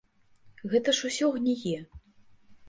Гэта ж усё гніе.